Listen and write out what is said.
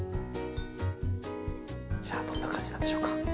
じゃあどんな感じなんでしょうか。